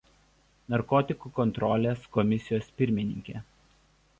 Narkotikų kontrolės komisijos pirmininkė.